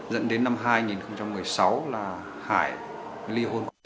dẫn đến năm hai nghìn một mươi sáu là hải li hôn con cái